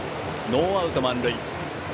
ノーアウト満塁。